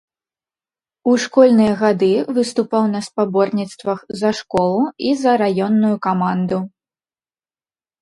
У школьныя гады выступаў на спаборніцтвах за школу і за раённую каманду.